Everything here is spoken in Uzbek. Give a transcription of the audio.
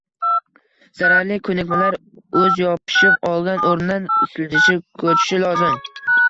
zararli ko‘nikmalar o‘z yopishib olgan o‘rnidan siljishi, ko‘chishi lozim.